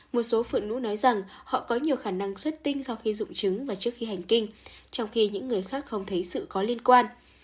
một số phụ nữ nói rằng họ có nhiều khả năng xuất tinh sau khi rụng trứng và trước khi hành kinh trong khi những người khác không thấy sự có liên quan